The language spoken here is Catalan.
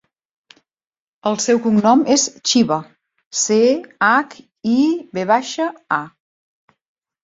El seu cognom és Chiva: ce, hac, i, ve baixa, a.